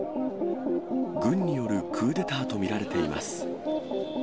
軍によるクーデターと見られています。